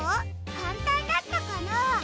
かんたんだったかな？